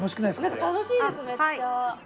◆なんか楽しいです、めっちゃ。